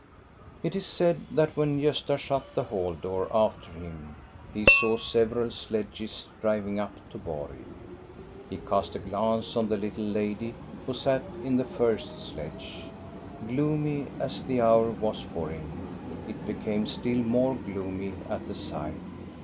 It is said that when Gosta shut the hall door after him he saw several sledges driving up to Borg. He cast a glance on the little lady who sat in the first sledge. Gloomy as the hour was for him, it became still more gloomy at the sight.